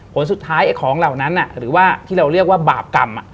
ผลสุดท้ายไอ้ของเหล่านั้นหรือว่าที่เราเรียกว่าบาปกรรม